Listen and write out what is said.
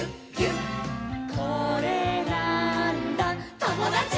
「これなーんだ『ともだち！』」